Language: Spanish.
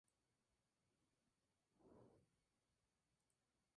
Algunas películas suyas son "Ass Freaks", "Burn", "Candy Factory", "Checkmate!